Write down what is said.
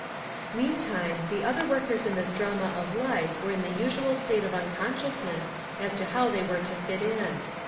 Meantime, the other workers in this drama of life were in the usual state of uncon sciousness as to how they were to fit in.